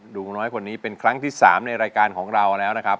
ลุงน้อยคนนี้เป็นครั้งที่๓ในรายการของเราแล้วนะครับ